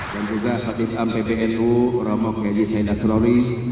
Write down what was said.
dan juga faizam pbnu romo kejimitahul akhiar